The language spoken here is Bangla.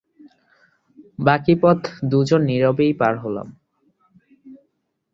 বাকি পথ দু জন নীরবে পার হলাম!